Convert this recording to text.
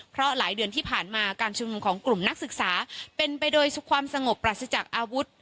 เพราะหลายเดือนที่ผ่านมาการชุมนุมของกลุ่มนักศึกษาเป็นไปโดยความสงบปราศจากอาวุธ